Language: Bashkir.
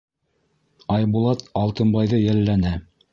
Айбулат Алтынбайҙы йәлләне.